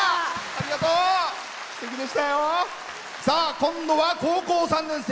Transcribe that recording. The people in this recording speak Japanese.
今度は高校３年生。